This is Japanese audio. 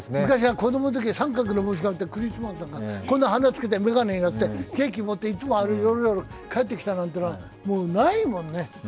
子供のときは三角の帽子かぶってクリスマスなんかこんな鼻つけて、眼鏡着けてケーキ持って、いつもヨロヨロ帰ってきたなんて、もうないもんね。